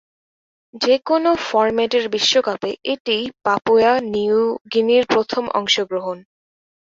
যেকোনও ফরম্যাটের বিশ্বকাপে এটিই পাপুয়া নিউ গিনির প্রথম অংশগ্রহণ।